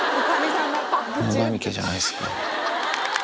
犬神家じゃないですか。